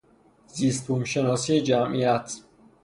زیست بوم شناسی جمعیت